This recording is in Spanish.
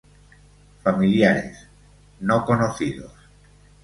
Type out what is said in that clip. Familiares: No conocidos.